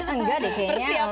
enggak deh kenyal